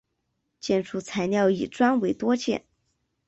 建筑材料以砖为多见。